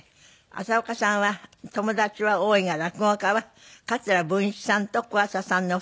浅丘さんは友達は多いが落語家は桂文枝さんと小朝さんの２人しか知らない。